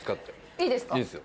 いいですよ。